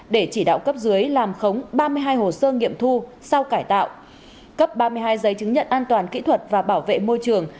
để chỉ đạo cấp dưới làm khống ba mươi hai hồ sơ nghiệm thu sau cải tạo cấp ba mươi hai giấy chứng nhận an toàn kỹ thuật và bảo vệ môi trường